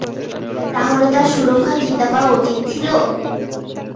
তাহলে তার সুরক্ষার চিন্তা করা উচিত ছিল?